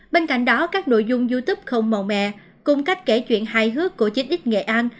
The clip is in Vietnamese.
bên cạnh đó các nội dung youtube không màu mè cùng cách kể chuyện hài hước của chích x nghệ an